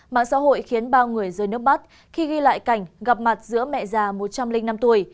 mạng xã hội khiến ba người rơi nước mắt khi ghi lại cảnh gặp mặt giữa mẹ già một trăm linh năm tuổi